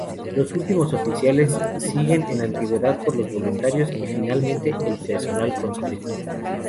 Los últimos oficiales siguen en antigüedad por los voluntarios y finalmente el personal conscripto.